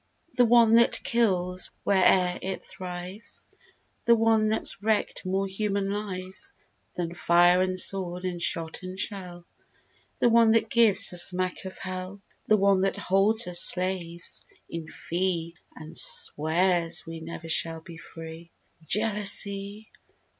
The one that kills where'er it thrives; The one that's wrecked more human lives Than fire and sword and shot and shell— The one that gives a smack of hell; The one that holds us slaves, in fee And swears we never shall be free— "Jealousy!"